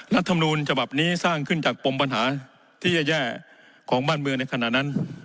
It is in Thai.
รัฐมนูลฉบับนี้สร้างขึ้นจากปมปัญหาที่แย่ของบ้านเมืองในขณะนั้น